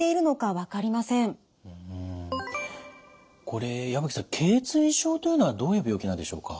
これ矢吹さんけい椎症というのはどういう病気なんでしょうか。